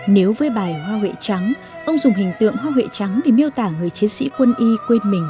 nếu với bài hoa huệ trắng ông dùng hình tượng hoa huệ trắng để miêu tả người chiến sĩ quân y quên mình